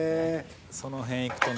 「その辺いくとね」